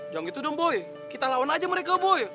jangan gitu dong boy kita lawan aja mereka boy